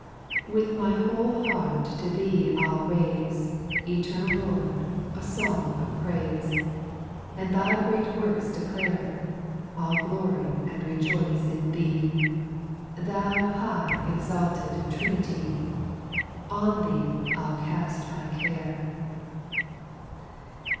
"WITH my whole heart to Thee I '11 raise, f I Eternal Lord, a song of praise, And Thy great works declare : I '11 glory and rejoice in Thee, Thou high exalted Trinity I On Thee I '11 cast my care.